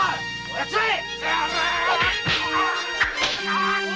やっちまえ！